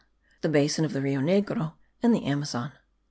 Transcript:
THE BASIN OF THE RIO NEGRO AND THE AMAZON.